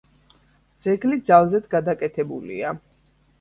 ძეგლი ძალზედ გადაკეთებულია.